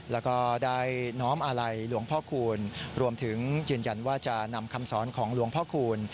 แล้วก็ได้น้อมอาลัยหลวงพ่อคูณรวมถึงยืนยันว่าจะนำคำสอนของหลวงพ่อคูณ